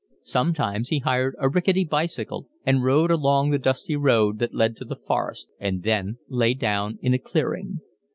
Sometimes he hired a rickety bicycle and rode along the dusty road that led to the forest, and then lay down in a clearing.